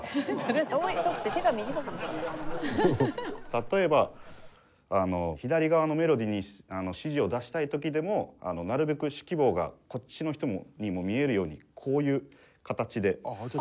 例えば左側のメロディに指示を出したい時でもなるべく指揮棒がこっちの人にも見えるようにこういう形で指揮をしたり。